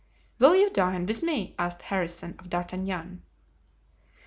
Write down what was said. "Will you dine with me?" asked Harrison of D'Artagnan.